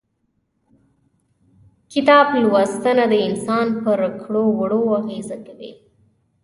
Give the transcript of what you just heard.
کتاب لوستنه د انسان پر کړو وړو اغيزه کوي.